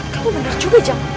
kamu bener coba aja